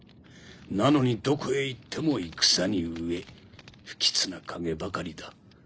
なのにどこへ行っても戦に飢え不吉な影ばかりだ